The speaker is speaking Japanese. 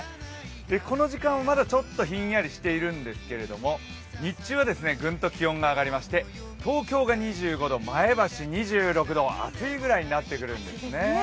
この時間、まだちょっとひんやりしているんですけれども日中はグンと気温が上がりまして東京が２５度、前橋２６度、暑いぐらいになってくるんですね。